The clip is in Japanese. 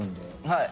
はい。